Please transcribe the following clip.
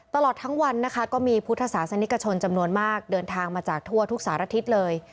ตลอดทั้งวันนะคะก็มีพุทธศาสนิกชนจำนวนมากเดินทางมาจากทั่วทุกสารทิศเลย